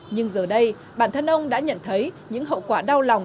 nhưng giờ đây bản thân ông đã nhận thấy những hậu quả đau lòng